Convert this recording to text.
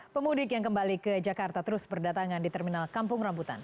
pemudik yang kembali ke jakarta terus berdatangan di terminal kampung rambutan